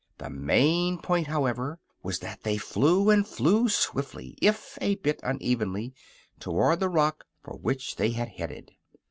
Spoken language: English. The main point, however, was that they flew, and flew swiftly, if a bit unevenly, toward the rock for which they had headed.